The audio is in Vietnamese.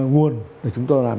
nguồn để chúng tôi làm